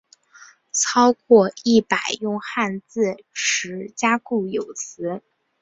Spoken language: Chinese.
超过一百用汉字词加固有词。